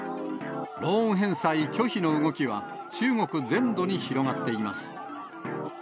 ローン返済拒否の動きは、中国全土に広がっています。